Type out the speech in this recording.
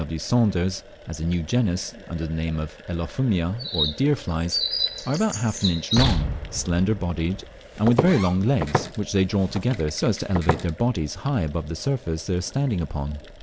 W. Saunders as a new genus, under the name of Elaphomia or deer flies, are about half an inch long, slender bodied, and with very long legs, which they draw together so as to elevate their bodies high above the surface they are standing upon.